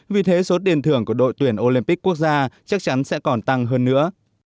vì thế số tiền thưởng của đội tuyển olympic quốc gia chắc chắn sẽ còn tăng hơn nữa